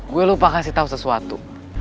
gue lupa kasih tahu sesuatu